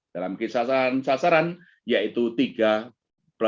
dalam kisah sasaran yaitu tiga plus minus satu persen